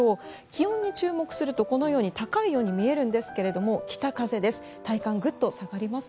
気温に注目すると、このように高いように見えるんですが北風です。